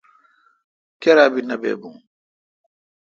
کیرا بی نہ با بو۔